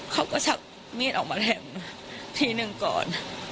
เขาก็ชักมีดออกมาแทงทีนึงก่อน